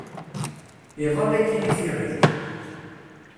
Iḍall akkin i tiɣilt.